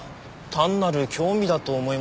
単なる興味だと思いますが。